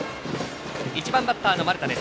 １番バッターの丸田。